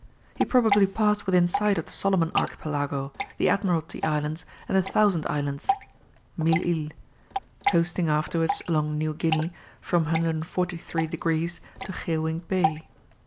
He probably passed within sight of the Solomon Archipelago, the Admiralty Islands, and the Thousand Islands (Mille Iles), coasting afterwards along New Guinea from 143 degrees to Geelwink Bay.